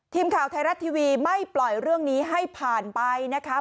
ทีมข่าวไทยรัฐทีวีไม่ปล่อยเรื่องนี้ให้ผ่านไปนะคะ